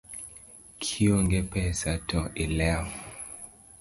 Kionge pesa to ilewo